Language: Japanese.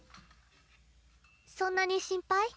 そんなに心配？